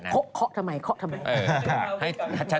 ประมาณนั้นค่ะทำไมทำไม